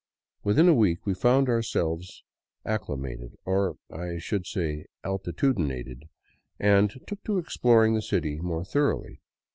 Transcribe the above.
Within a week we found ourselves acclimated — or should I say altitudinated — and took to exploring the city more thoroughly.